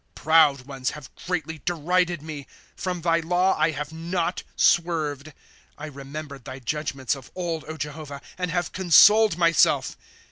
^1 Proud ones have greatly derided me ; From thy law I have not swerved. ^^ I remembered thy judgments of old, Jehovah, And have consoled myself.